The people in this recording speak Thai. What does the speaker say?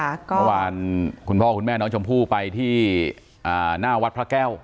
เมื่อวานคุณพ่อคุณแม่น้องชมพู่ไปที่หน้าวัดพระแก้ว